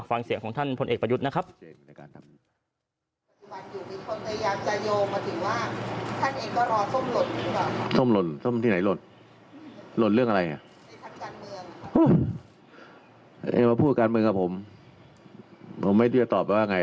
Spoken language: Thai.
ฟังเสียงของท่านพลเอกประยุทธ์นะครับ